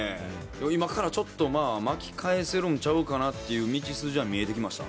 今からちょっと巻き返せるんちゃうかなっていう道筋は見えてきました